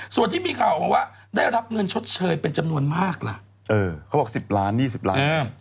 ส่วนที่มีข่าวออกมาว่าได้รับเงินชดเชยเป็นจำนวนมากล่ะเออเขาบอก๑๐ล้าน๒๐ล้าน